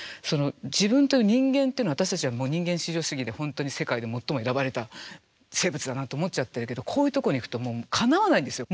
自分という人間っていうのは私たちは人間至上主義で本当に世界で最も選ばれた生物だなって思っちゃってるけどこういうとこに行くともうかなわないんですよ。